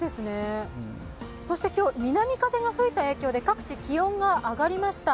今日、南風が吹いた影響で、各地気温が上がりました。